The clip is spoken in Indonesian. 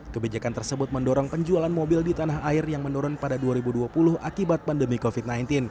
kebijakan tersebut mendorong penjualan mobil di tanah air yang menurun pada dua ribu dua puluh akibat pandemi covid sembilan belas